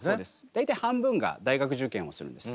大体半分が大学受験をするんです。